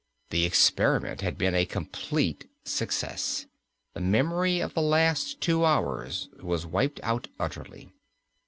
The experiment had been a complete success. The memory of the last two hours was wiped out utterly.